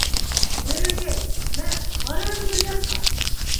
Бөйрәкәй, мә, ҡара әле был яҡҡа!